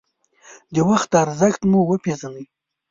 د وخت ارزښت مو وپېژنئ.